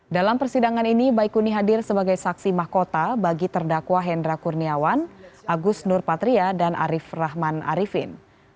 dalam persidangan ini baikuni hadir sebagai saksi mahkota bagi terdakwa hendra kurniawan agus nurpatria dan arief rahman arifin